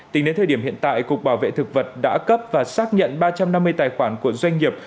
tính đến thời điểm hiện tại cục bảo vệ thực vật đã cấp và xác nhận ba trăm năm mươi tài khoản của doanh nghiệp